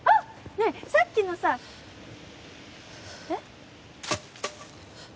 ねえさっきのさはあっえっ？